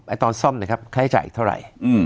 ไอ้ตอนซ่อมเนี่ยครับค่าใช้จ่ายเท่าไหร่อืม